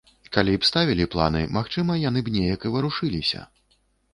Калі б ставілі планы, магчыма, яны б неяк і варушыліся.